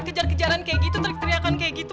kejar kejaran kayak gitu teriak teriakan kayak gitu